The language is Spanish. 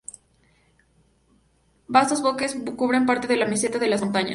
Vastos bosques cubren parte de la meseta y de las montañas.